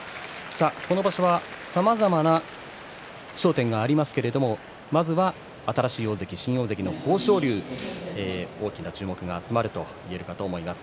今場所はさまざまな焦点がありますがまずは新しい大関新大関の豊昇龍に注目が集まっているといえると思います。